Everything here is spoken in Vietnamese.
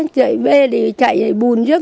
chạy về thì chạy bùn trước